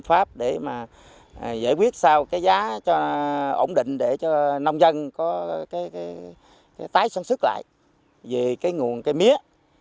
giải pháp để mà giải quyết sao cái giá cho ổn định để cho nông dân có cái tái sản xuất lại về cái nguồn cây mía